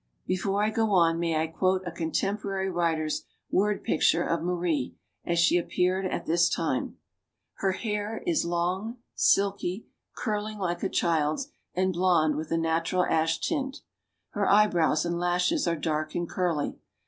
Before I go on, may I quote a contemporary writer's word picture of Marie, as she appeared at this time? Her hair i long, silky, curling like a child's, and blond with a natural ash tint. ... Her eyebrows and lashes are dark and curly.